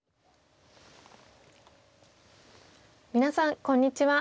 皆さんこんにちは。